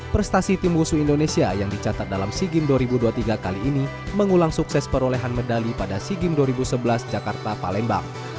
prestasi tim wusu indonesia yang dicatat dalam sea games dua ribu dua puluh tiga kali ini mengulang sukses perolehan medali pada sea games dua ribu sebelas jakarta palembang